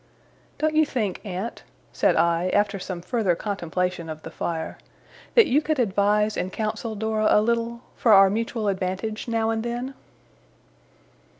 'Don't you think, aunt,' said I, after some further contemplation of the fire, 'that you could advise and counsel Dora a little, for our mutual advantage, now and then?